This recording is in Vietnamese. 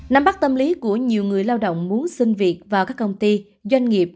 năm bắt tâm lý của nhiều người lao động muốn xin việc vào các công ty doanh nghiệp